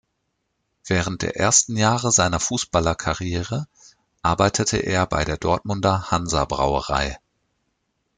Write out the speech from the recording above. Während der ersten Jahre seiner Fußballerkarriere arbeitete er bei der Dortmunder Hansa-Brauerei.